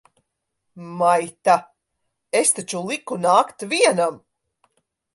Maita! Es taču liku nākt vienam!